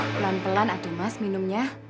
pelan pelan ada mas minumnya